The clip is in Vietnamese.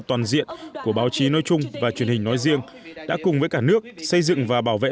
toàn diện của báo chí nói chung và truyền hình nói riêng đã cùng với cả nước xây dựng và bảo vệ